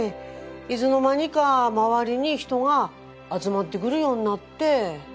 いづの間にか周りに人が集まってくるようになって。